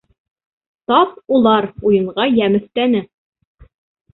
Тап улар уйынға йәм өҫтәне.